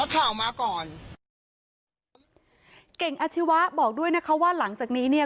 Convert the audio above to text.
ข่าวมาก่อนเก่งอาชีวะบอกด้วยนะคะว่าหลังจากนี้เนี่ย